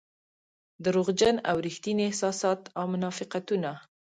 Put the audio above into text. دروغجن او رښتيني احساسات او منافقتونه.